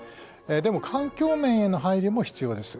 でも環境面への配慮も必要です。